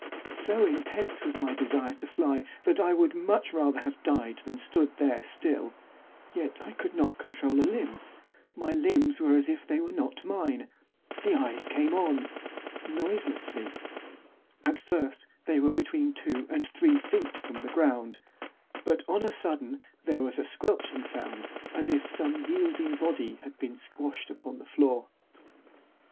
So intense was my desire to fly that I would much rather have died than stood there still; yet I could not control a limb; my limbs were as if they were not mine. The eyes came on, noiselessly. At first they were between two and three feet from the ground; but, on a sudden, there was a squelching sound, as if some yielding body had been squashed upon the floor.